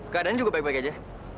keadaannya juga baik baik aja